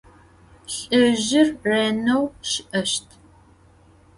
Lh'ızjır rêneu şı'eşt.